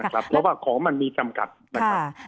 เพราะว่าของมันมีจำกัด